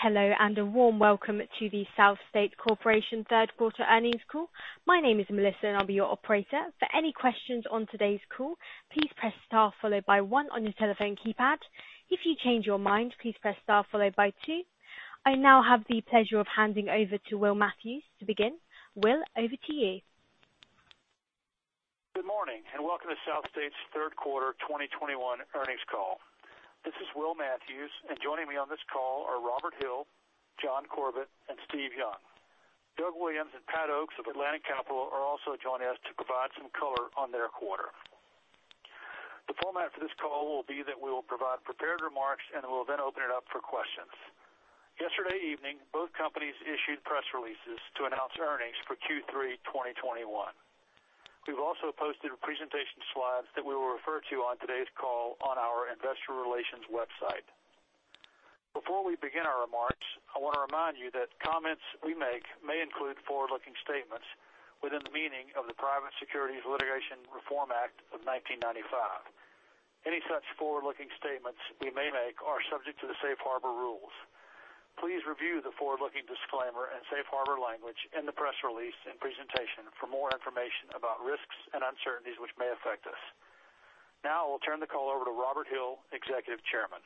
Hello, and a warm welcome to the SouthState Corporation third quarter earnings call. My name is Melissa, and I'll be your operator. For any questions on today's call, please press Star followed by one on your telephone keypad. If you change your mind, please press Star followed by two. I now have the pleasure of handing over to Will Matthews to begin. Will, over to you. Good morning, and welcome to SouthState's third quarter 2021 earnings call. This is Will Matthews, and joining me on this call are Robert Hill, John Corbett, and Steve Young. Doug Williams and Pat Oakes of Atlantic Capital are also joining us to provide some color on their quarter. The format for this call will be that we will provide prepared remarks, and we'll then open it up for questions. Yesterday evening, both companies issued press releases to announce earnings for Q3 2021. We've also posted presentation slides that we will refer to on today's call on our investor relations website. Before we begin our remarks, I want to remind you that comments we make may include forward-looking statements within the meaning of the Private Securities Litigation Reform Act of 1995. Any such forward-looking statements we may make are subject to the safe harbor rules. Please review the forward-looking disclaimer and safe harbor language in the press release and presentation for more information about risks and uncertainties which may affect us. Now I will turn the call over to Robert Hill, Executive Chairman.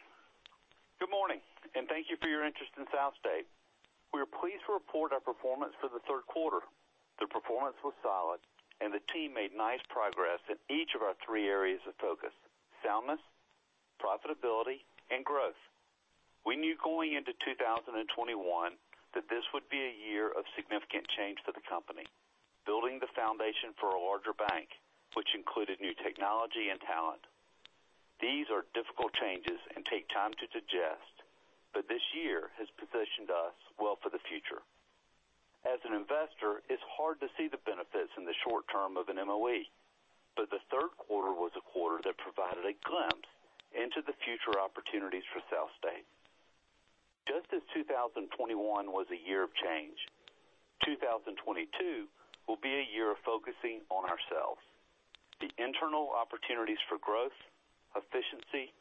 Good morning, and thank you for your interest in SouthState. We are pleased to report our performance for the third quarter. The performance was solid and the team made nice progress in each of our three areas of focus, soundness, profitability, and growth. We knew going into 2021 that this would be a year of significant change for the company, building the foundation for a larger bank, which included new technology and talent. These are difficult changes and take time to digest, but this year has positioned us well for the future. As an investor, it's hard to see the benefits in the short term of an MOE, but the third quarter was a quarter that provided a glimpse into the future opportunities for SouthState. Just as 2021 was a year of change, 2022 will be a year of focusing on ourselves. The internal opportunities for growth, efficiency,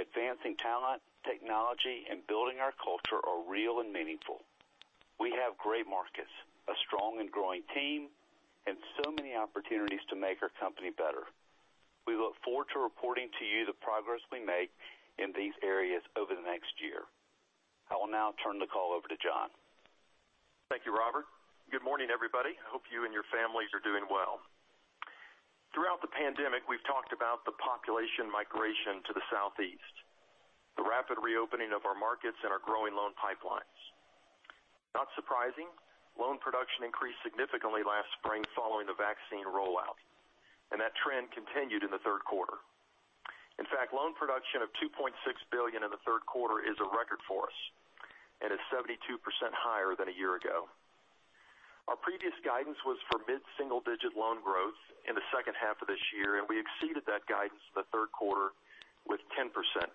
advancing talent, technology, and building our culture are real and meaningful. We have great markets, a strong and growing team, and so many opportunities to make our company better. We look forward to reporting to you the progress we make in these areas over the next year. I will now turn the call over to John. Thank you, Robert. Good morning, everybody. I hope you and your families are doing well. Throughout the pandemic, we've talked about the population migration to the southeast, the rapid reopening of our markets and our growing loan pipelines. Not surprising, loan production increased significantly last spring following the vaccine rollout, and that trend continued in the third quarter. In fact, loan production of $2.6 billion in the third quarter is a record for us and is 72% higher than a year ago. Our previous guidance was for mid-single digit loan growth in the second half of this year, and we exceeded that guidance in the third quarter with 10%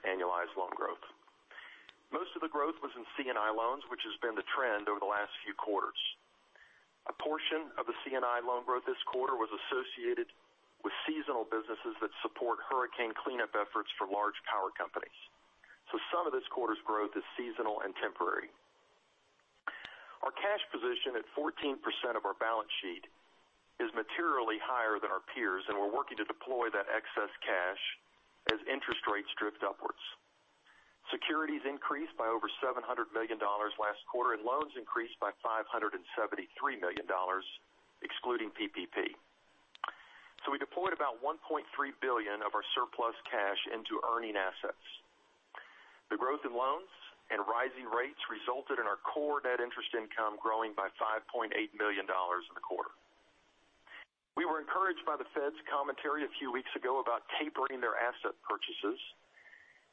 annualized loan growth. Most of the growth was in C&I loans, which has been the trend over the last few quarters. A portion of the C&I loan growth this quarter was associated with seasonal businesses that support hurricane cleanup efforts for large power companies. Some of this quarter's growth is seasonal and temporary. Our cash position at 14% of our balance sheet is materially higher than our peers, and we're working to deploy that excess cash as interest rates drift upwards. Securities increased by over $700 million last quarter, and loans increased by $573 million excluding PPP. We deployed about $1.3 billion of our surplus cash into earning assets. The growth in loans and rising rates resulted in our core net interest income growing by $5.8 million in the quarter. We were encouraged by the Fed's commentary a few weeks ago about tapering their asset purchases,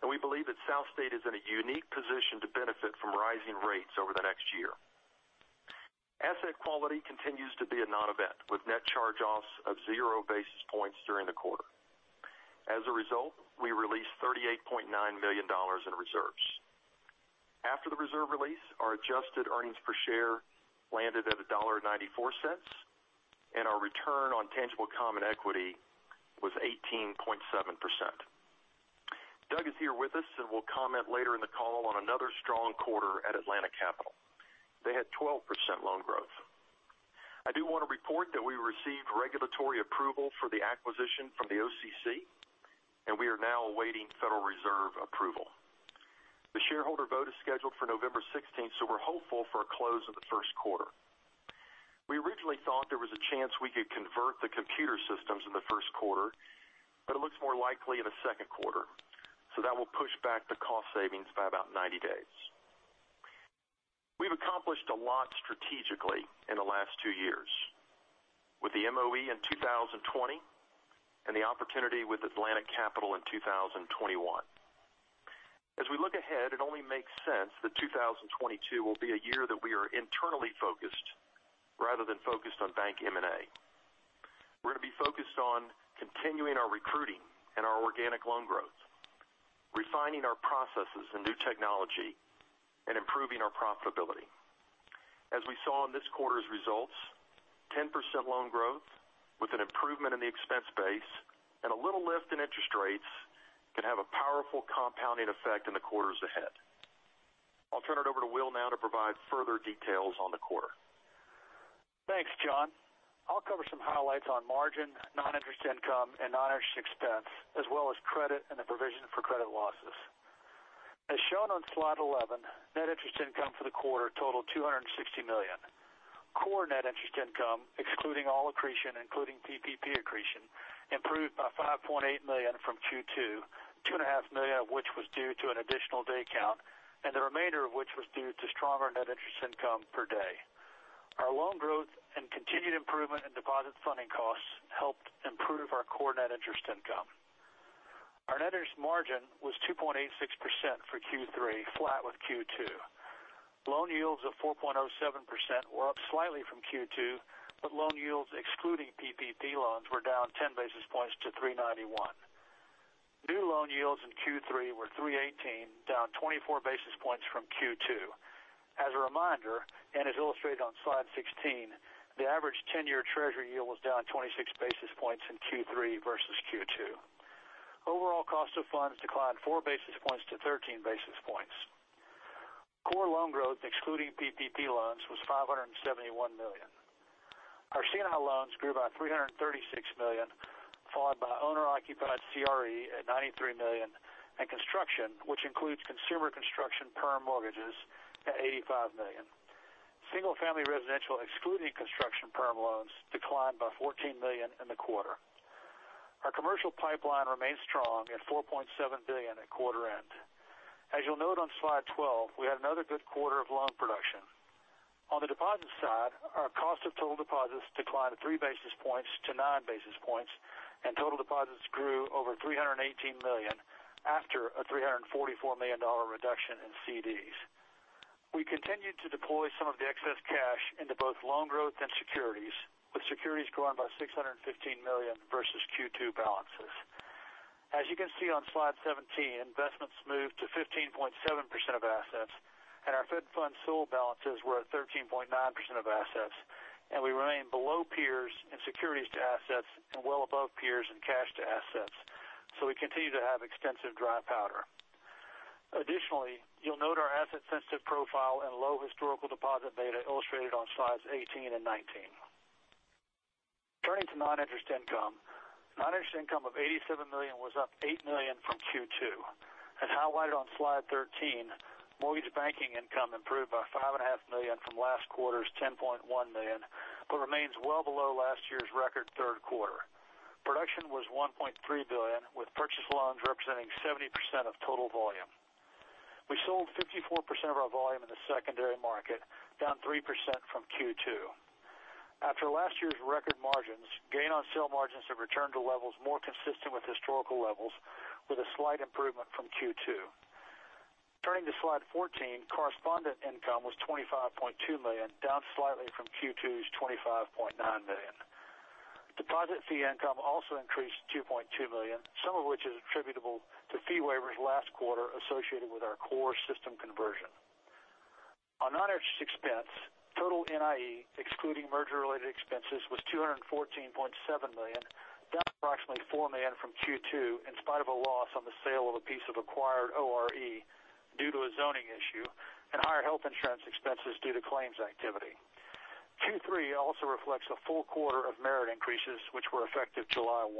and we believe that SouthState is in a unique position to benefit from rising rates over the next year. Asset quality continues to be a non-event, with net charge-offs of zero basis points during the quarter. As a result, we released $38.9 million in reserves. After the reserve release, our adjusted earnings per share landed at $1.94, and our return on tangible common equity was 18.7%. Doug is here with us and will comment later in the call on another strong quarter at Atlantic Capital. They had 12% loan growth. I do want to report that we received regulatory approval for the acquisition from the OCC, and we are now awaiting Federal Reserve approval. The shareholder vote is scheduled for November 16, so we're hopeful for a close in the first quarter. We originally thought there was a chance we could convert the computer systems in the first quarter, but it looks more likely in the second quarter, so that will push back the cost savings by about 90 days. We've accomplished a lot strategically in the last two years with the MOE in 2020 and the opportunity with Atlantic Capital in 2021. As we look ahead, it only makes sense that 2022 will be a year that we are internally focused rather than focused on bank M&A. We're going to be focused on continuing our recruiting and our organic loan growth, refining our processes and new technology, and improving our profitability. As we saw in this quarter's results, 10% loan growth with an improvement in the expense base and a little lift in interest rates can have a powerful compounding effect in the quarters ahead. I'll turn it over to Will now to provide further details on the quarter. Thanks, John. I'll cover some highlights on margin, non-interest income, and non-interest expense, as well as credit and the provision for credit losses. As shown on slide 11, net interest income for the quarter totaled $260 million. Core net interest income, excluding all accretion, including PPP accretion, improved by $5.8 million from Q2, $2.5 million of which was due to an additional day count, and the remainder of which was due to stronger net interest income per day. Our loan growth and continued improvement in deposit funding costs helped improve our core net interest income. Our net interest margin was 2.86% for Q3, flat with Q2. Loan yields of 4.07% were up slightly from Q2, but loan yields excluding PPP loans were down 10 basis points to 3.91%. New loan yields in Q3 were 3.18, down 24 basis points from Q2. As a reminder, and as illustrated on slide 16, the average 10-year treasury yield was down 26 basis points in Q3 versus Q2. Overall cost of funds declined 4 basis points to 13 basis points. Core loan growth excluding PPP loans was $571 million. Our senior loans grew by $336 million, followed by owner-occupied CRE at $93 million, and construction, which includes consumer construction perm mortgages at $85 million. Single-family residential excluding construction perm loans declined by $14 million in the quarter. Our commercial pipeline remains strong at $4.7 billion at quarter end. As you'll note on slide 12, we had another good quarter of loan production. On the deposit side, our cost of total deposits declined 3 basis points to 9 basis points, and total deposits grew over $318 million after a $344 million reduction in CDs. We continued to deploy some of the excess cash into both loan growth and securities, with securities growing by $615 million versus Q2 balances. As you can see on slide 17, investments moved to 15.7% of assets, and our Fed funds sold balances were at 13.9% of assets, and we remain below peers in securities to assets and well above peers in cash to assets, so we continue to have extensive dry powder. Additionally, you'll note our asset sensitive profile and low historical deposit beta illustrated on slides 18 and 19. Turning to non-interest income. Non-interest income of $87 million was up $8 million from Q2. As highlighted on slide 13, mortgage banking income improved by $5.5 million from last quarter's $10.1 million, but remains well below last year's record third quarter. Production was $1.3 billion, with purchase loans representing 70% of total volume. We sold 54% of our volume in the secondary market, down 3% from Q2. After last year's record margins, gain on sale margins have returned to levels more consistent with historical levels with a slight improvement from Q2. Turning to slide 14, correspondent income was $25.2 million, down slightly from Q2's $25.9 million. Deposit fee income also increased $2.2 million, some of which is attributable to fee waivers last quarter associated with our core system conversion. On non-interest expense, total NIE, excluding merger-related expenses, was $214.7 million, down approximately $4 million from Q2 in spite of a loss on the sale of a piece of acquired ORE due to a zoning issue and higher health insurance expenses due to claims activity. Q3 also reflects a full quarter of merit increases which were effective July 1.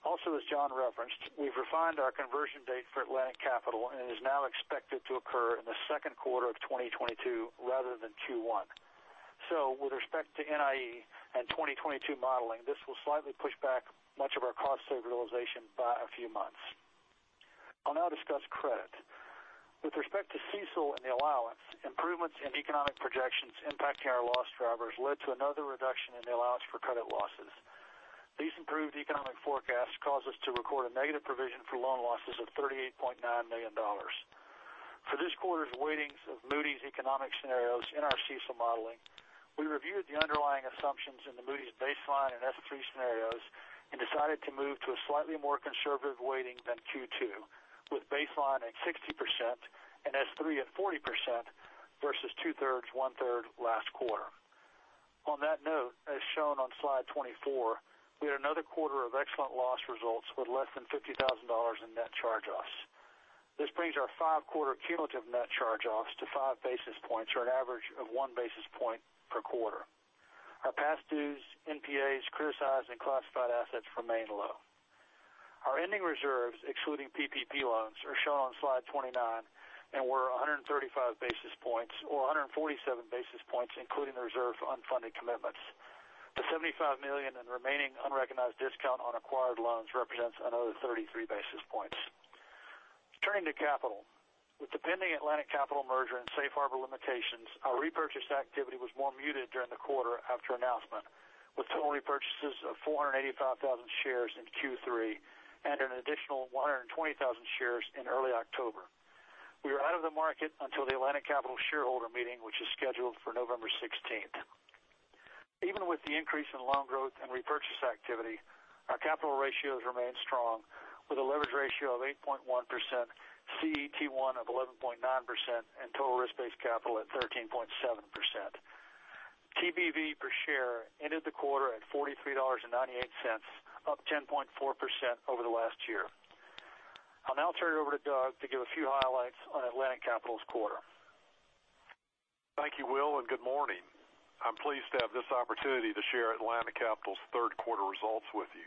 Also, as John referenced, we've refined our conversion date for Atlantic Capital and is now expected to occur in the second quarter of 2022 rather than Q1. With respect to NIE and 2022 modeling, this will slightly push back much of our cost save realization by a few months. I'll now discuss credit. With respect to CECL and the allowance, improvements in economic projections impacting our loss drivers led to another reduction in the allowance for credit losses. These improved economic forecasts caused us to record a negative provision for loan losses of $38.9 million. For this quarter's weightings of Moody's economic scenarios in our CECL modeling, we reviewed the underlying assumptions in the Moody's baseline and S3 scenarios and decided to move to a slightly more conservative weighting than Q2, with baseline at 60% and S3 at 40% versus 2/3, 1/3 last quarter. On that note, as shown on slide 24, we had another quarter of excellent loss results with less than $50,000 in net charge-offs. This brings our five-quarter cumulative net charge-offs to 5 basis points or an average of 1 basis point per quarter. Our past dues, NPAs, criticized, and classified assets remain low. Our ending reserves, excluding PPP loans, are shown on slide 29 and were 135 basis points or 147 basis points, including the reserve for unfunded commitments. The $75 million in remaining unrecognized discount on acquired loans represents another 33 basis points. Turning to capital. With the pending Atlantic Capital merger and safe harbor limitations, our repurchase activity was more muted during the quarter after announcement, with total repurchases of 485,000 shares in Q3 and an additional 120,000 shares in early October. We are out of the market until the Atlantic Capital shareholder meeting, which is scheduled for November sixteenth. Even with the increase in loan growth and repurchase activity, our capital ratios remain strong with a leverage ratio of 8.1%, CET1 of 11.9% and total risk-based capital at 13.7%. TBV per share ended the quarter at $43.98, up 10.4% over the last year. I'll now turn it over to Doug to give a few highlights on Atlantic Capital's quarter. Thank you, Will, and good morning. I'm pleased to have this opportunity to share Atlantic Capital's third quarter results with you.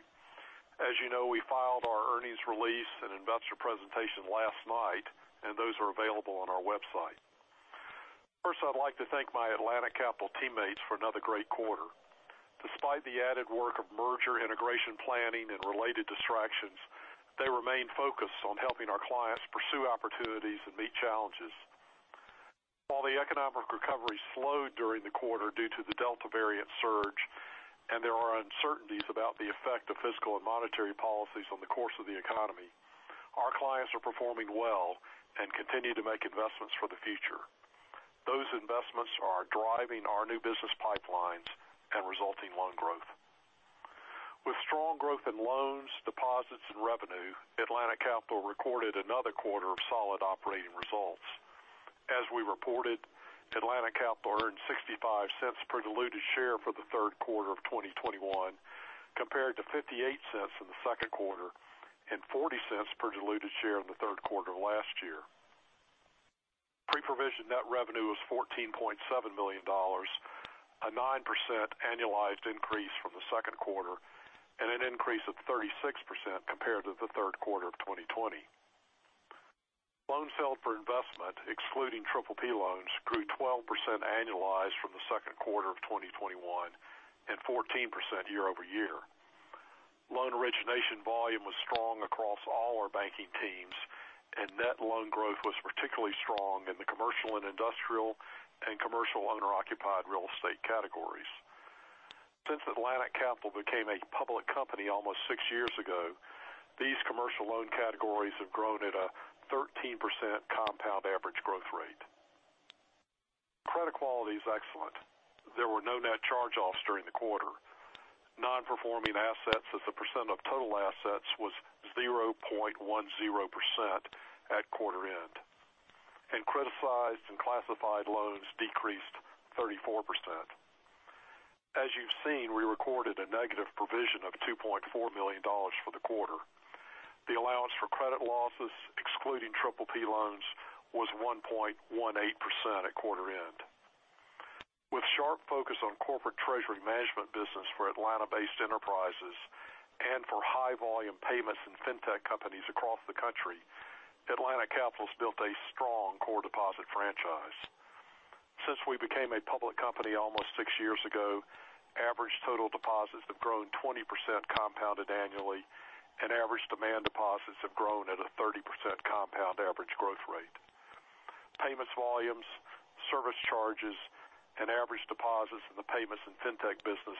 As you know, we filed our earnings release and investor presentation last night, and those are available on our website. First, I'd like to thank my Atlantic Capital teammates for another great quarter. Despite the added work of merger, integration planning, and related distractions, they remain focused on helping our clients pursue opportunities and meet challenges. While the economic recovery slowed during the quarter due to the Delta variant surge, and there are uncertainties about the effect of fiscal and monetary policies on the course of the economy, our clients are performing well and continue to make investments for the future. Those investments are driving our new business pipelines and resulting loan growth. With strong growth in loans, deposits, and revenue, Atlantic Capital recorded another quarter of solid operating results. As we reported, Atlantic Capital earned $0.65 per diluted share for the third quarter of 2021, compared to $0.58 in the second quarter and $0.40 per diluted share in the third quarter of last year. Pre-provision net revenue was $14.7 million, a 9% annualized increase from the second quarter of 2021, and an increase of 36% compared to the third quarter of 2020. Loans held for investment, excluding PPP loans, grew 12% annualized from the second quarter of 2021 and 14% year-over-year. Loan origination volume was strong across all our banking teams, and net loan growth was particularly strong in the commercial and industrial and commercial owner-occupied real estate categories. Since Atlantic Capital became a public company almost 6 years ago, these commercial loan categories have grown at a 13% compound average growth rate. Credit quality is excellent. There were no net charge-offs during the quarter. Non-performing assets as a percent of total assets was 0.10% at quarter end, and criticized and classified loans decreased 34%. As you've seen, we recorded a negative provision of $2.4 million for the quarter. The allowance for credit losses, excluding PPP loans, was 1.18% at quarter end. With sharp focus on corporate treasury management business for Atlanta-based enterprises and for high volume payments in fintech companies across the country, Atlantic Capital has built a strong core deposit franchise. Since we became a public company almost six years ago, average total deposits have grown 20% compounded annually, and average demand deposits have grown at a 30% compound average growth rate. Payments volumes, service charges, and average deposits in the payments and fintech business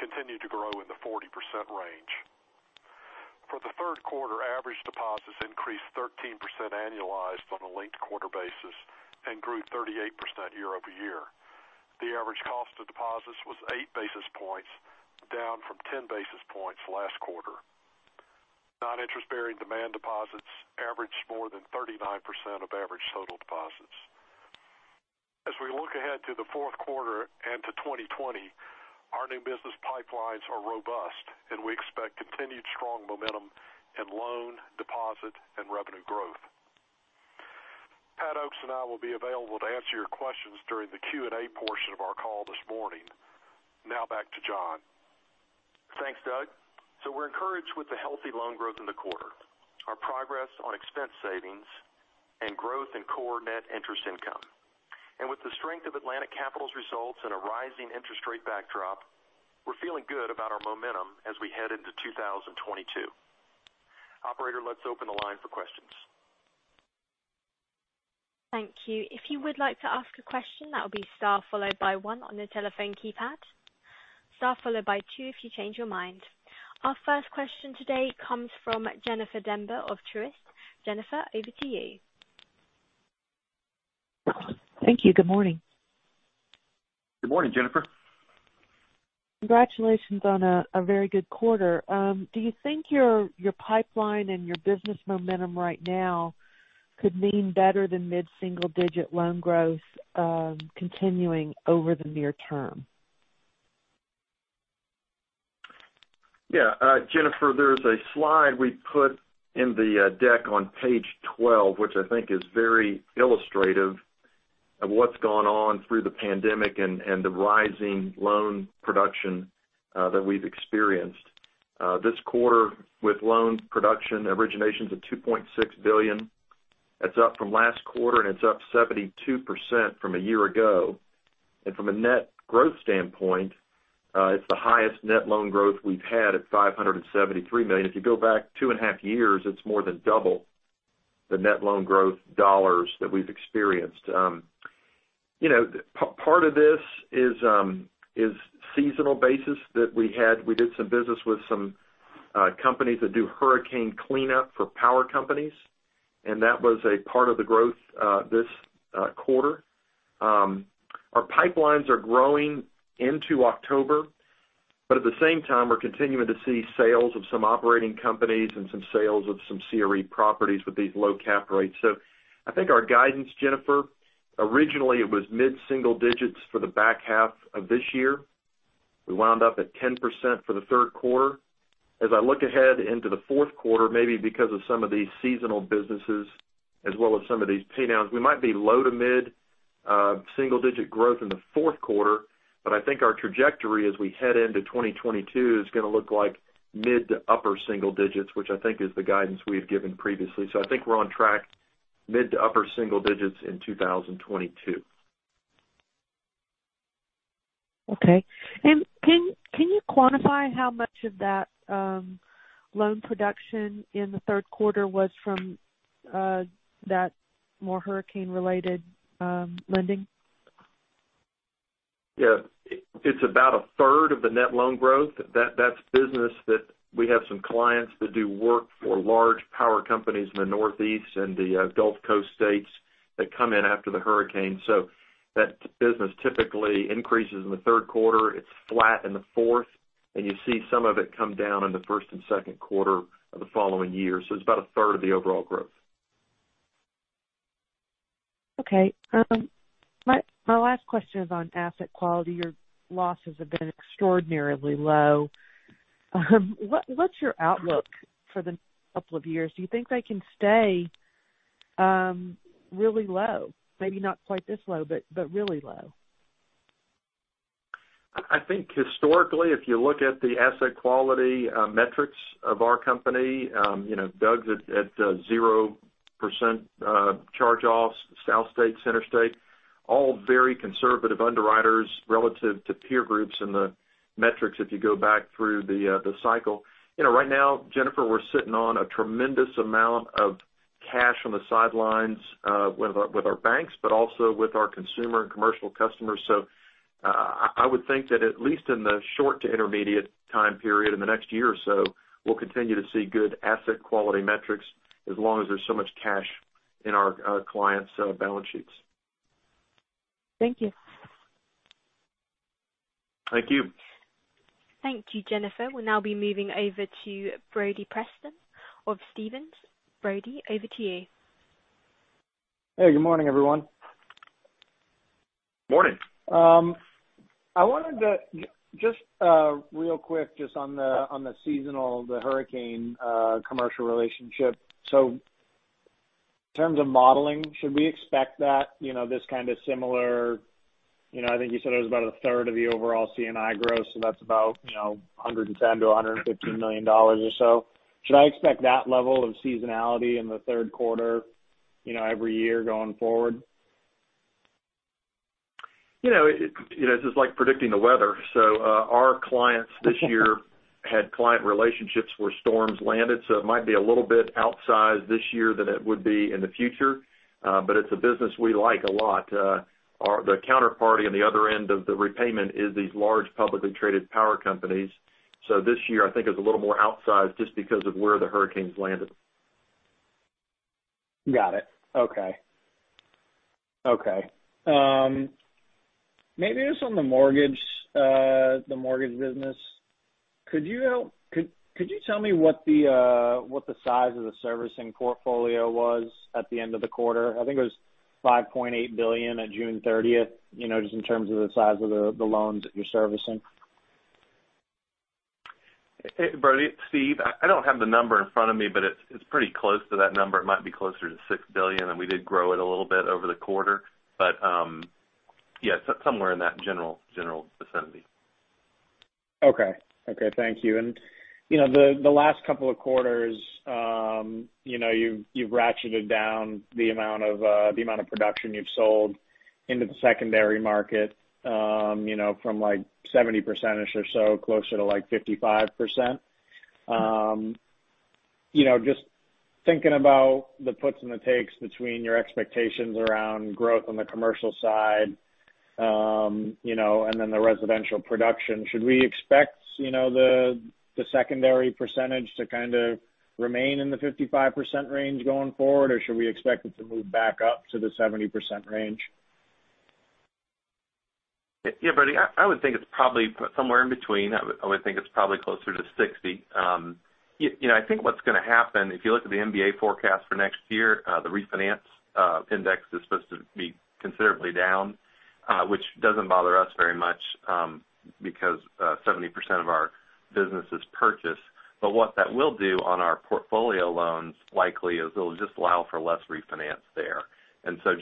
continue to grow in the 40% range. For the third quarter, average deposits increased 13% annualized on a linked-quarter basis and grew 38% year-over-year. The average cost of deposits was 8 basis points, down from 10 basis points last quarter. Non-interest-bearing demand deposits averaged more than 39% of average total deposits. As we look ahead to the fourth quarter and to 2020, our new business pipelines are robust, and we expect continued strong momentum in loan, deposit, and revenue growth. Pat Oakes and I will be available to answer your questions during the Q&A portion of our call this morning. Now back to John. Thanks, Doug. We're encouraged with the healthy loan growth in the quarter, our progress on expense savings and growth in core net interest income. With the strength of Atlantic Capital's results and a rising interest rate backdrop, we're feeling good about our momentum as we head into 2022. Operator, let's open the line for questions. Thank you. If you would like to ask a question, that will be star followed by one on the telephone keypad. Star followed by two if you change your mind. Our first question today comes from Jennifer Demba of Truist. Jennifer, over to you. Thank you. Good morning. Good morning, Jennifer. Congratulations on a very good quarter. Do you think your pipeline and your business momentum right now could mean better than mid-single digit loan growth, continuing over the near term? Yeah. Jennifer, there's a slide we put in the deck on page 12, which I think is very illustrative of what's gone on through the pandemic and the rising loan production that we've experienced. This quarter with loan production, origination's at $2.6 billion. That's up from last quarter, and it's up 72% from a year ago. From a net growth standpoint, it's the highest net loan growth we've had at $573 million. If you go back 2.5 years, it's more than double the net loan growth dollars that we've experienced. You know, part of this is seasonal basis that we had. We did some business with some companies that do hurricane cleanup for power companies. That was a part of the growth this quarter. Our pipelines are growing into October, but at the same time, we're continuing to see sales of some operating companies and some sales of some CRE properties with these low cap rates. I think our guidance, Jennifer, originally it was mid-single digits for the back half of this year. We wound up at 10% for the third quarter. As I look ahead into the fourth quarter, maybe because of some of these seasonal businesses as well as some of these pay downs, we might be low- to mid-single-digit growth in the fourth quarter. I think our trajectory as we head into 2022 is gonna look like mid- to upper-single-digits, which I think is the guidance we've given previously. I think we're on track mid- to upper-single digits in 2022. Okay. Can you quantify how much of that loan production in the third quarter was from that more hurricane related lending? Yeah. It's about a third of the net loan growth. That's business that we have some clients that do work for large power companies in the Northeast and the Gulf Coast states that come in after the hurricane. That business typically increases in the third quarter. It's flat in the fourth, and you see some of it come down in the first and second quarter of the following year. It's about a third of the overall growth. Okay. My last question is on asset quality. Your losses have been extraordinarily low. What's your outlook for the next couple of years? Do you think they can stay really low? Maybe not quite this low, but really low. I think historically, if you look at the asset quality metrics of our company, you know, Doug's at zero percent charge-offs, SouthState, CenterState, all very conservative underwriters relative to peer groups in the metrics, if you go back through the cycle. You know, right now, Jennifer, we're sitting on a tremendous amount of cash on the sidelines with our banks, but also with our consumer and commercial customers. I would think that at least in the short to intermediate time period in the next year or so, we'll continue to see good asset quality metrics as long as there's so much cash in our clients' balance sheets. Thank you. Thank you. Thank you, Jennifer. We'll now be moving over to Brody Preston of Stephens. Brody, over to you. Hey, good morning, everyone. Morning. I wanted to just real quick just on the on the seasonal the hurricane commercial relationship. So in terms of modeling, should we expect that you know this kind of similar you know I think you said it was about a third of the overall C&I growth so that's about you know $110 million-$115 million or so. Should I expect that level of seasonality in the third quarter you know every year going forward? You know, it's just like predicting the weather. Our clients this year had client relationships where storms landed, so it might be a little bit outsized this year than it would be in the future. It's a business we like a lot. The counterparty on the other end of the repayment is these large publicly traded power companies. This year, I think, is a little more outsized just because of where the hurricanes landed. Got it. Okay. Maybe just on the mortgage, the mortgage business, could you tell me what the size of the servicing portfolio was at the end of the quarter? I think it was $5.8 billion at June 13th, you know, just in terms of the size of the loans that you're servicing. Hey, Brody. It's Steve. I don't have the number in front of me, but it's pretty close to that number. It might be closer to $6 billion, and we did grow it a little bit over the quarter. Yeah, somewhere in that general vicinity. Okay. Thank you. You know, the last couple of quarters, you know, you've ratcheted down the amount of production you've sold into the secondary market, you know, from like 70% each or so, closer to like 55%. You know, just thinking about the puts and the takes between your expectations around growth on the commercial side, you know, and then the residential production, should we expect, you know, the secondary percentage to kind of remain in the 55% range going forward, or should we expect it to move back up to the 70% range? Yeah, Brody, I would think it's probably somewhere in between. I would think it's probably closer to 60. You know, I think what's gonna happen, if you look at the MBA forecast for next year, the refinance index is supposed to be considerably down, which doesn't bother us very much, because 70% of our business is purchase. What that will do on our portfolio loans likely is it'll just allow for less refinance there.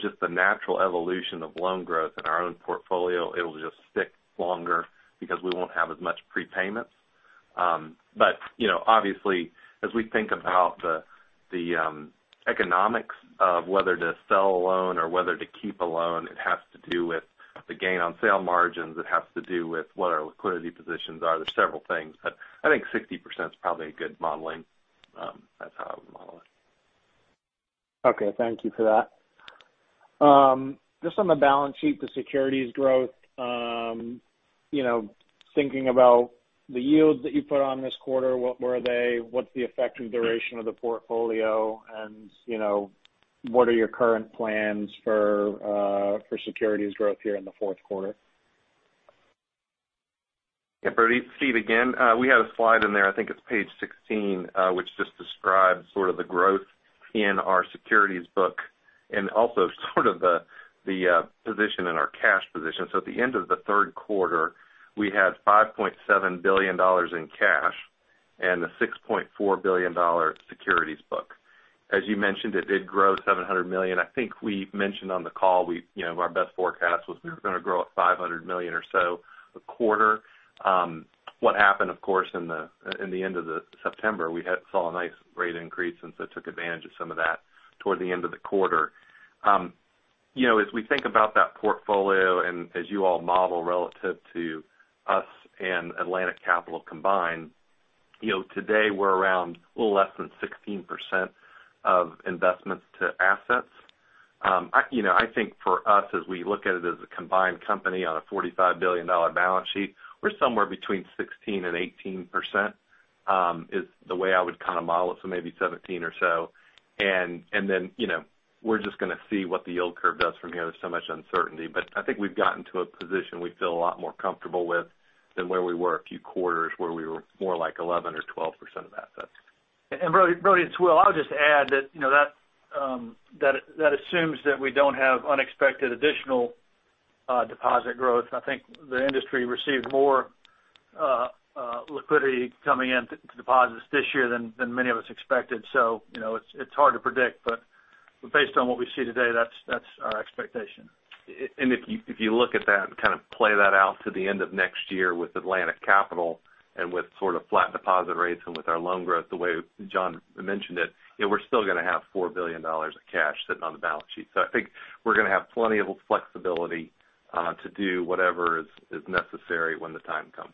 Just the natural evolution of loan growth in our own portfolio, it'll just stick longer because we won't have as much prepayments. You know, obviously, as we think about the economics of whether to sell a loan or whether to keep a loan, it has to do with the gain on sale margins. It has to do with what our liquidity positions are. There's several things, but I think 60% is probably a good modeling. That's how I would model it. Okay. Thank you for that. Just on the balance sheet, the securities growth, you know, thinking about the yields that you put on this quarter, what were they? What's the effective duration of the portfolio? You know, what are your current plans for securities growth here in the fourth quarter? Yeah, Brody. Steve again. We had a slide in there, I think it's page sixteen, which just describes sort of the growth in our securities book and also sort of the position and our cash position. At the end of the third quarter, we had $5.7 billion in cash and a $6.4 billion securities book. As you mentioned, it did grow $700 million. I think we mentioned on the call, you know, our best forecast was we were gonna grow at $500 million or so a quarter. What happened, of course, in the end of September, we saw a nice rate increase, and so took advantage of some of that toward the end of the quarter. You know, as we think about that portfolio and as you all model relative to us and Atlantic Capital combined, you know, today we're around a little less than 16% of investments to assets. You know, I think for us, as we look at it as a combined company on a $45 billion balance sheet, we're somewhere between 16%-18%, is the way I would kind of model it, so maybe 17% or so. You know, we're just gonna see what the yield curve does from here. There's so much uncertainty. I think we've gotten to a position we feel a lot more comfortable with than where we were a few quarters, where we were more like 11% or 12% of assets. Brody, it's Will. I would just add that, you know, that assumes that we don't have unexpected additional deposit growth. I think the industry received more liquidity coming in to deposits this year than many of us expected. You know, it's hard to predict, but based on what we see today, that's our expectation. If you look at that and kind of play that out to the end of next year with Atlantic Capital and with sort of flat deposit rates and with our loan growth, the way John mentioned it, you know, we're still gonna have $4 billion of cash sitting on the balance sheet. I think we're gonna have plenty of flexibility to do whatever is necessary when the time comes.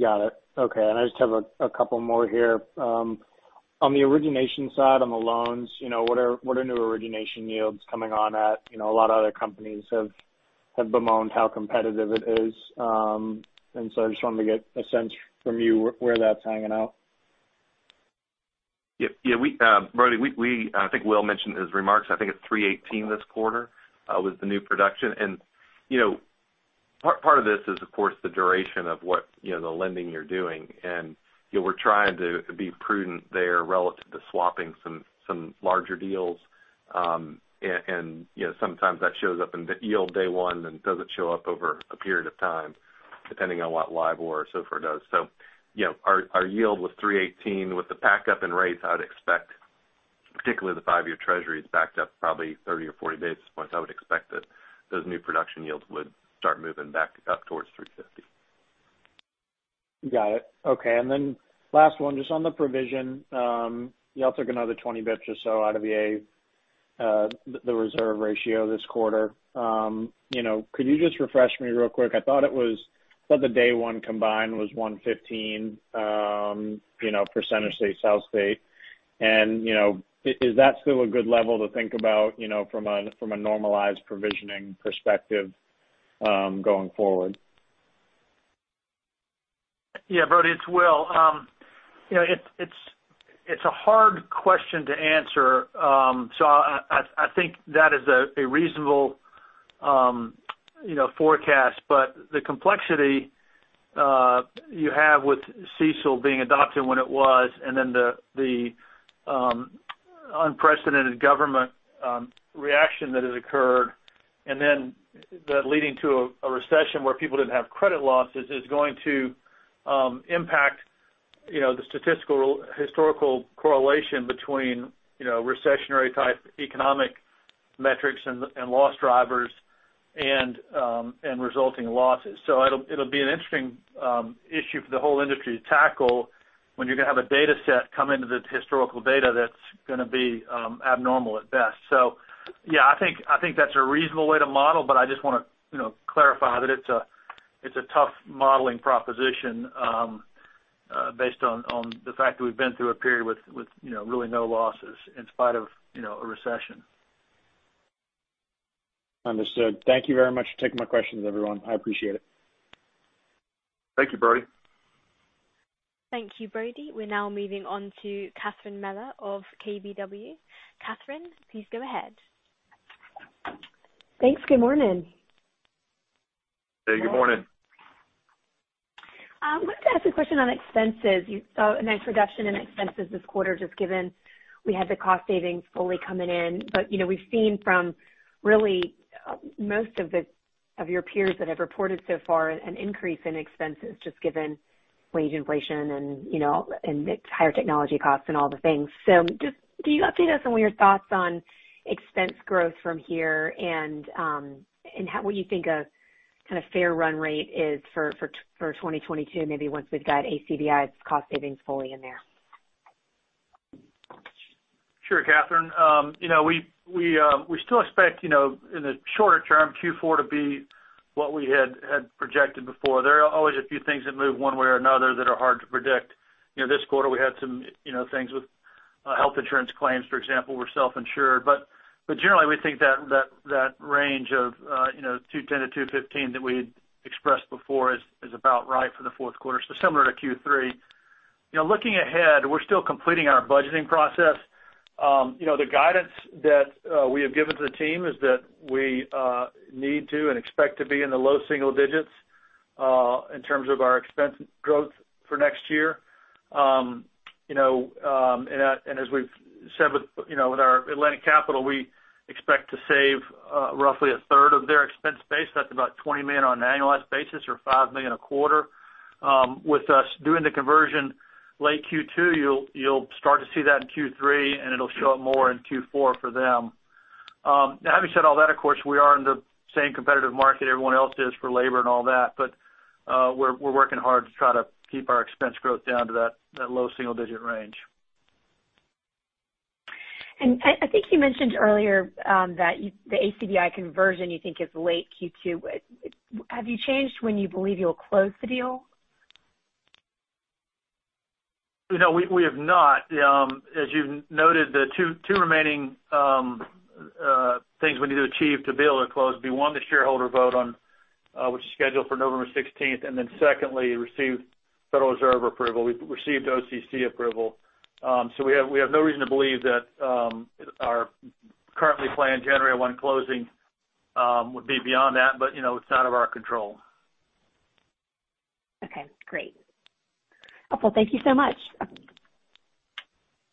Got it. Okay. I just have a couple more here. On the origination side, on the loans, you know, what are new origination yields coming on at? You know, a lot of other companies have bemoaned how competitive it is. I just wanted to get a sense from you where that's hanging out. Brody, we think Will mentioned in his remarks. I think it's 3.18 this quarter with the new production. You know, part of this is, of course, the duration of what, you know, the lending you're doing. You know, we're trying to be prudent there relative to swapping some larger deals. You know, sometimes that shows up in the yield day one and doesn't show up over a period of time, depending on what LIBOR or SOFR does. You know, our yield was 3.18. With the back up in rates, I'd expect, particularly the five-year treasury is backed up probably 30 or 40 basis points. I would expect that those new production yields would start moving back up towards 3.50. Got it. Okay. Last one, just on the provision. Y'all took another 20 basis points or so out of the reserve ratio this quarter. You know, could you just refresh me real quick? I thought the day one combined was 1.15%, SouthState. You know, is that still a good level to think about, you know, from a normalized provisioning perspective, going forward? Yeah. Brody, it's Will. You know, it's a hard question to answer. I think that is a reasonable forecast. But the complexity you have with CECL being adopted when it was and then the unprecedented government reaction that has occurred and then that leading to a recession where people didn't have credit losses is going to impact the statistical historical correlation between recessionary type economic metrics and loss drivers and resulting losses. It'll be an interesting issue for the whole industry to tackle when you're gonna have a data set come into the historical data that's gonna be abnormal at best. Yeah, I think that's a reasonable way to model, but I just wanna, you know, clarify that it's a tough modeling proposition, based on the fact that we've been through a period with you know, really no losses in spite of, you know, a recession. Understood. Thank you very much for taking my questions, everyone. I appreciate it. Thank you, Brody. Thank you, Brody. We're now moving on to Catherine Mealor of KBW. Catherine, please go ahead. Thanks. Good morning. Hey, good morning. I wanted to ask a question on expenses. You saw an increase in expenses this quarter just given we had the cost savings fully coming in. But, you know, we've seen from really most of your peers that have reported so far an increase in expenses just given wage inflation and, you know, and the higher technology costs and all the things. So just could you update us on what your thoughts on expense growth from here and what you think a kind of fair run rate is for 2022, maybe once we've got ACBI's cost savings fully in there? Sure, Catherine. You know, we still expect, you know, in the shorter term Q4 to be what we had projected before. There are always a few things that move one way or another that are hard to predict. You know, this quarter we had some, you know, things with health insurance claims, for example, we're self-insured. But generally, we think that that range of, you know, $2.10-$2.15 that we had expressed before is about right for the fourth quarter, so similar to Q3. You know, looking ahead, we're still completing our budgeting process. You know, the guidance that we have given to the team is that we need to and expect to be in the low single digits% in terms of our expense growth for next year. You know, as we've said with our Atlantic Capital, we expect to save roughly a third of their expense base. That's about $20 million on an annualized basis or $5 million a quarter. With us doing the conversion late Q2, you'll start to see that in Q3, and it'll show up more in Q4 for them. Having said all that, of course, we are in the same competitive market everyone else is for labor and all that, but we're working hard to try to keep our expense growth down to that low single digit range. I think you mentioned earlier that the ACBI conversion you think is late Q2. Have you changed when you believe you'll close the deal? No, we have not. As you've noted, the two remaining things we need to achieve to be able to close, one, the shareholder vote on which is scheduled for November 16. Then secondly, receive Federal Reserve approval. We've received OCC approval. We have no reason to believe that our currently planned January 1 closing would be beyond that, but you know, it's out of our control. Okay, great. Well, thank you so much.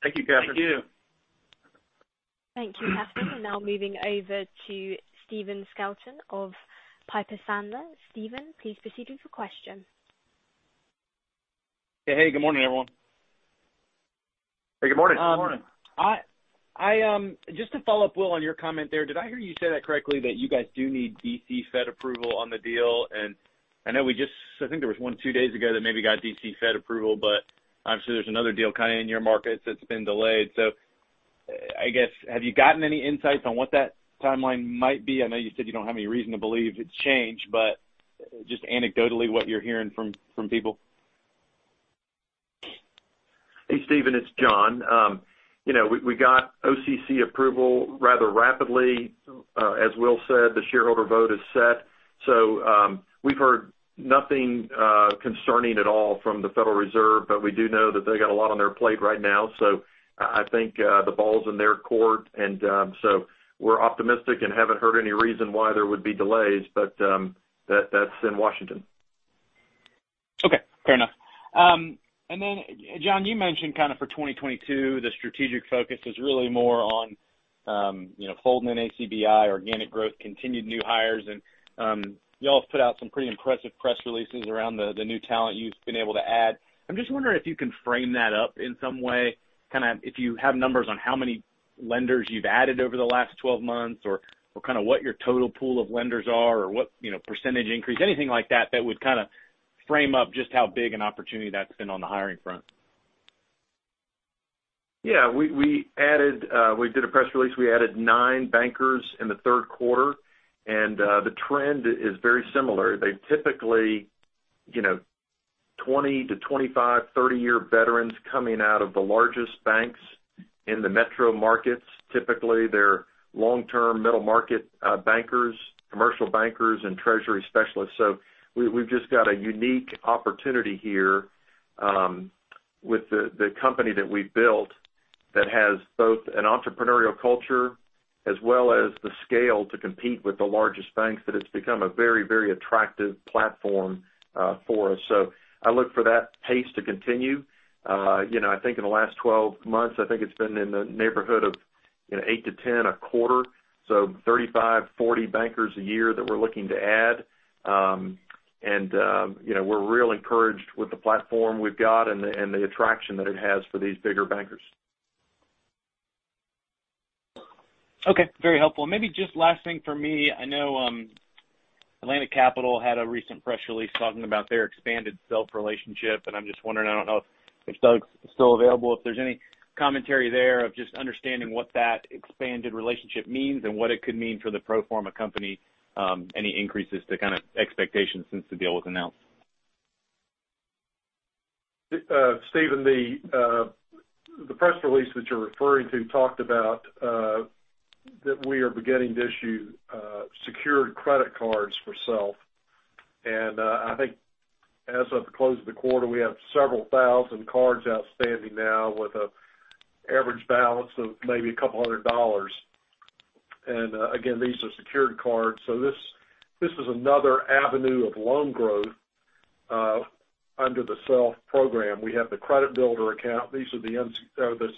Thank you, Catherine. Thank you. Thank you, Catherine. We're now moving over to Stephen Scouten of Piper Sandler. Stephen, please proceed with your question. Hey. Good morning, everyone. Hey, good morning. Just to follow up, Will, on your comment there, did I hear you say that correctly, that you guys do need D.C. Fed approval on the deal? I know we just I think there was one or two days ago that maybe got D.C. Fed approval, but obviously there's another deal kind of in your markets that's been delayed. I guess, have you gotten any insights on what that timeline might be? I know you said you don't have any reason to believe it's changed, but just anecdotally, what you're hearing from people. Hey, Stephen, it's John. You know, we got OCC approval rather rapidly. As Will said, the shareholder vote is set. We've heard nothing concerning at all from the Federal Reserve, but we do know that they got a lot on their plate right now, so I think the ball's in their court. We're optimistic and haven't heard any reason why there would be delays, but that's in Washington. Okay, fair enough. Then John, you mentioned kind of for 2022, the strategic focus is really more on, you know, folding in ACBI, organic growth, continued new hires. Y'all have put out some pretty impressive press releases around the new talent you've been able to add. I'm just wondering if you can frame that up in some way, kinda if you have numbers on how many lenders you've added over the last 12 months or kinda what your total pool of lenders are or what, you know, percentage increase, anything like that would kinda frame up just how big an opportunity that's been on the hiring front. Yeah. We added, we did a press release. We added nine bankers in the third quarter, and the trend is very similar. They typically, you know, 20-25, 30-year veterans coming out of the largest banks in the metro markets. Typically, they're long-term middle market bankers, commercial bankers and treasury specialists. So we've just got a unique opportunity here with the company that we've built that has both an entrepreneurial culture as well as the scale to compete with the largest banks, that it's become a very, very attractive platform for us. So I look for that pace to continue. You know, I think in the last 12 months, I think it's been in the neighborhood of, you know, 8-10 a quarter, so 35-40 bankers a year that we're looking to add. you know, we're real encouraged with the platform we've got and the attraction that it has for these bigger bankers. Okay, very helpful. Maybe just last thing for me. I know, Atlantic Capital had a recent press release talking about their expanded Self relationship, and I'm just wondering, I don't know if Doug's still available, if there's any commentary there of just understanding what that expanded relationship means and what it could mean for the pro forma company, any increases to kind of expectations since the deal was announced. Stephen, the press release that you're referring to talked about that we are beginning to issue secured credit cards for Self. I think as of the close of the quarter, we have several thousand cards outstanding now with an average balance of maybe $200. Again, these are secured cards, so this is another avenue of loan growth under the Self program. We have the credit builder account. These are the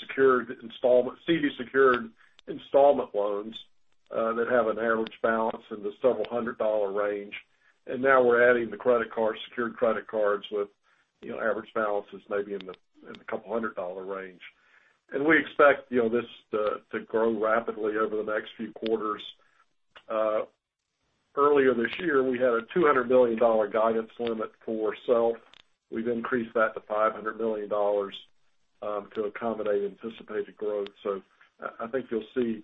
secured installment CD-secured installment loans that have an average balance in the several hundred dollar range. Now we're adding the credit card, secured credit cards with average balances maybe in the couple hundred dollar range. We expect this to grow rapidly over the next few quarters. Earlier this year, we had a $200 million guidance limit for Self. We've increased that to $500 million. To accommodate anticipated growth. I think you'll see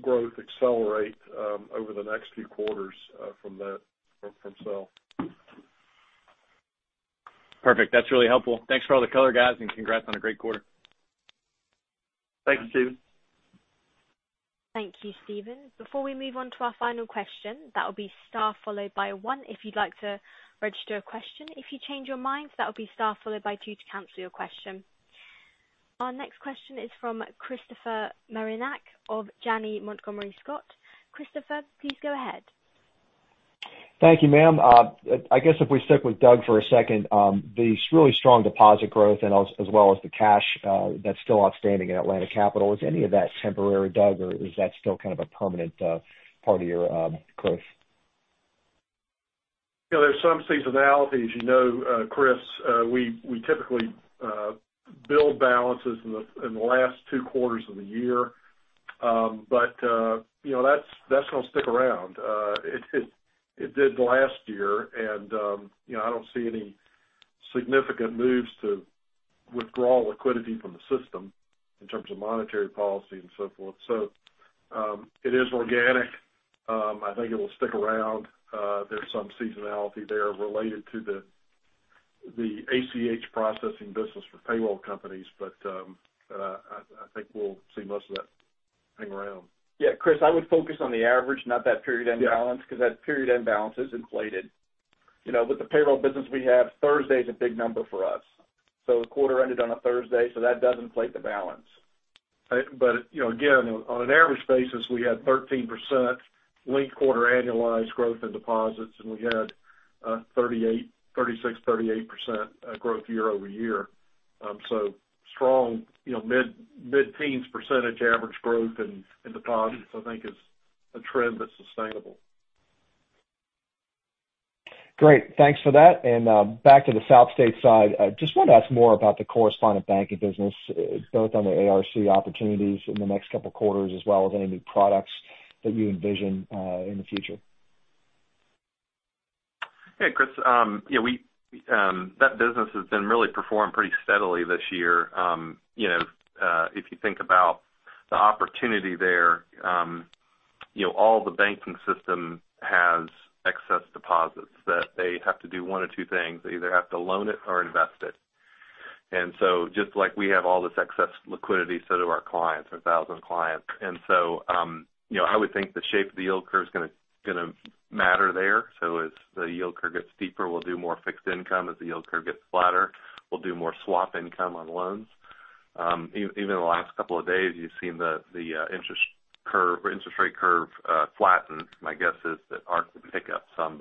growth accelerate over the next few quarters from that, from sale. Perfect. That's really helpful. Thanks for all the color guys, and congrats on a great quarter. Thanks, Stephen. Thank you, Steve. Before we move on to our final question, that will be star followed by one if you'd like to register a question. If you change your mind, that'll be star followed by two to cancel your question. Our next question is from Christopher Marinac of Janney Montgomery Scott. Christopher, please go ahead. Thank you, ma'am. I guess if we stick with Doug for a second, the really strong deposit growth and as well as the cash that's still outstanding at Atlantic Capital, is any of that temporary, Doug, or is that still kind of a permanent part of your growth? You know, there's some seasonality. As you know, Chris, we typically build balances in the last two quarters of the year. You know, that's gonna stick around. It did last year and, you know, I don't see any significant moves to withdraw liquidity from the system in terms of monetary policy and so forth. It is organic. I think it will stick around. There's some seasonality there related to the ACH processing business for payroll companies, but I think we'll see most of that hang around. Yeah, Chris, I would focus on the average, not that period end balance. Yeah. 'Cause that period end balance is inflated. You know, with the payroll business we have, Thursday's a big number for us. The quarter ended on a Thursday, so that does inflate the balance. You know, again, on an average basis, we had 13% linked quarter annualized growth in deposits, and we had 38, 36, 38% growth year-over-year. Strong, you know, mid-teens% average growth in deposits, I think is a trend that's sustainable. Great. Thanks for that. Back to the SouthState side. Just want to ask more about the correspondent banking business, both on the ARC opportunities in the next couple quarters, as well as any new products that you envision, in the future. Hey, Chris, yeah, that business has performed pretty steadily this year. You know, if you think about the opportunity there, you know, all the banking system has excess deposits that they have to do one of two things: They either have to loan it or invest it. Just like we have all this excess liquidity, so do our clients, 1,000 clients. You know, I would think the shape of the yield curve is gonna matter there. As the yield curve gets steeper, we'll do more fixed income. As the yield curve gets flatter, we'll do more swap income on loans. Even in the last couple of days, you've seen the interest curve or interest rate curve flatten. My guess is that ARC could pick up some.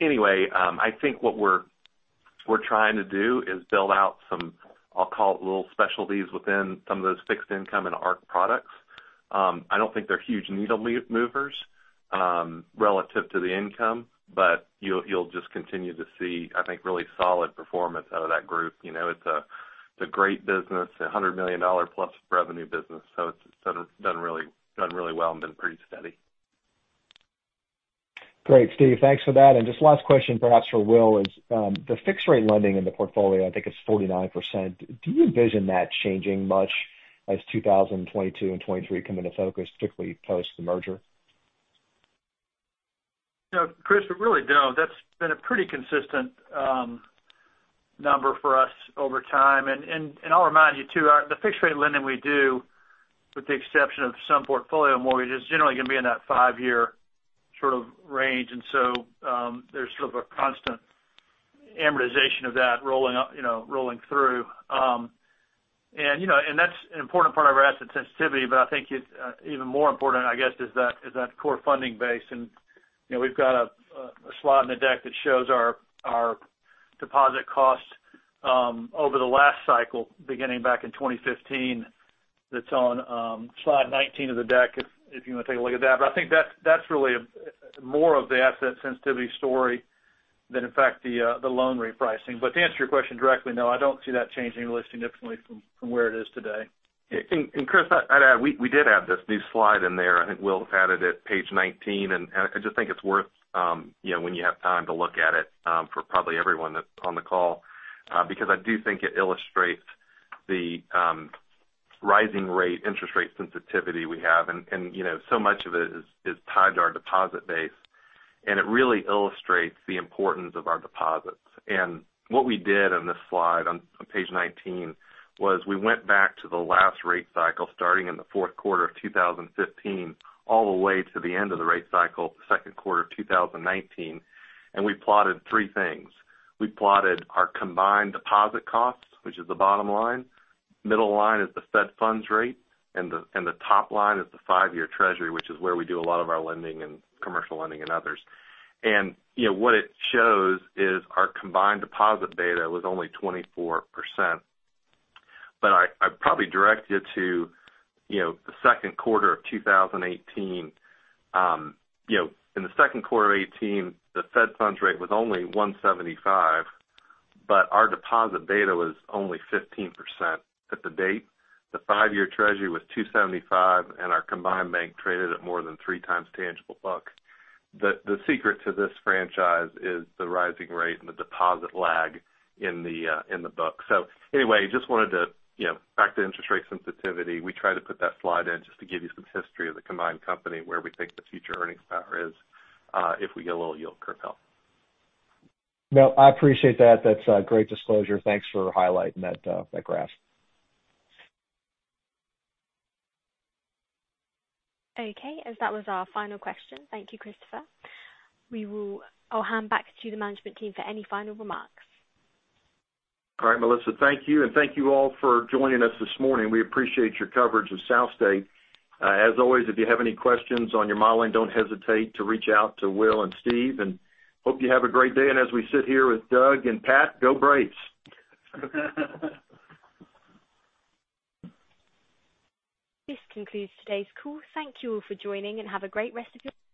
Anyway, I think what we're trying to do is build out some little specialties within some of those fixed income and ARC products. I don't think they're huge needle movers relative to the income, but you'll just continue to see, I think, really solid performance out of that group. You know, it's a great business, a $100 million-plus revenue business. It's done really well and been pretty steady. Great, Steve. Thanks for that. Just last question, perhaps for Will, is the fixed rate lending in the portfolio, I think it's 49%, do you envision that changing much as 2022 and 2023 come into focus, particularly post the merger? You know, Chris, we really don't. That's been a pretty consistent number for us over time. I'll remind you too, our the fixed rate lending we do, with the exception of some portfolio mortgages, generally gonna be in that five-year sort of range. There's sort of a constant amortization of that rolling up, you know, rolling through. You know, that's an important part of our asset sensitivity, but I think it even more important, I guess, is that core funding base. You know, we've got a slot in the deck that shows our deposit cost over the last cycle, beginning back in 2015. That's on slide 19 of the deck, if you wanna take a look at that. I think that that's really a more of the asset sensitivity story than in fact the loan repricing. To answer your question directly, no, I don't see that changing really significantly from where it is today. Chris, I'd add, we did add this new slide in there. I think Will had it at page 19, and I just think it's worth, you know, when you have time to look at it, for probably everyone that's on the call, because I do think it illustrates the rising rate interest rate sensitivity we have. You know, so much of it is tied to our deposit base, and it really illustrates the importance of our deposits. What we did on this slide, on page 19, was we went back to the last rate cycle, starting in the fourth quarter of 2015, all the way to the end of the rate cycle, the second quarter of 2019, and we plotted three things. We plotted our combined deposit costs, which is the bottom line. Middle line is the Fed funds rate, and the top line is the five-year Treasury, which is where we do a lot of our lending and commercial lending and others. You know, what it shows is our combined deposit beta was only 24%. I'd probably direct you to, you know, the second quarter of 2018. You know, in the second quarter of 2018, the Fed funds rate was only 1.75%, but our deposit beta was only 15% at the date. The five-year Treasury was 2.75%, and our combined bank traded at more than 3x tangible book. The secret to this franchise is the rising rate and the deposit lag in the book. Anyway, just wanted to, you know, back to interest rate sensitivity. We try to put that slide in just to give you some history of the combined company, where we think the future earnings power is, if we get a little yield curve help. No, I appreciate that. That's great disclosure. Thanks for highlighting that graph. Okay. That was our final question. Thank you, Christopher. I'll hand back to the management team for any final remarks. All right, Melissa, thank you. Thank you all for joining us this morning. We appreciate your coverage of SouthState. As always, if you have any questions on your modeling, don't hesitate to reach out to Will and Steve, and hope you have a great day. As we sit here with Doug and Pat, go Braves. This concludes today's call. Thank you all for joining and have a great rest of your day.